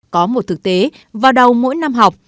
có một thực tế vào đầu mỗi năm học